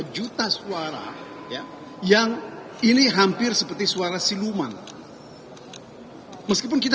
ini ada sekitar dua lebih dari dua puluh tiga juta suara yang ini hampir seperti suara siluman meskipun kita